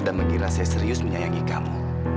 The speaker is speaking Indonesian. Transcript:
mengira saya serius menyayangi kamu